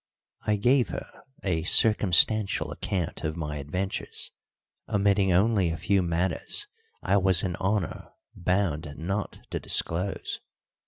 I gave her a circumstantial account of my adventures, omitting only a few matters I was in honour bound not to disclose.